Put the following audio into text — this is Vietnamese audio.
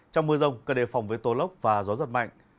trong mưa rông cần đề phòng với tô lốc và gió giật mạnh